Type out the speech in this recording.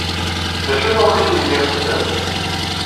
D acu n uɣmis aydeg ixeddem?